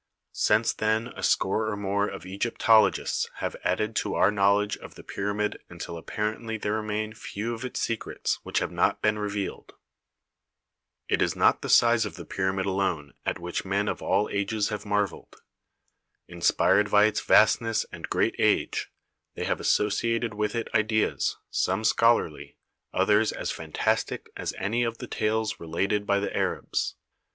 Since then a score or more of Egyptologists have added to our knowledge of the pyramid until apparently there remain few of its secrets which have not been revealed. It is not the size of the pyramid alone at which men of all ages have marvelled. Inspired by its THE PYRAMID OF KHUFU 27 vastness and great age, they have associated with it ideas, some scholarly, others as fantastic as any of the tales related by the Arabs.